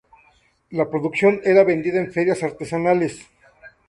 La producción era vendida en ferias artesanales.